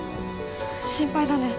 心配だね。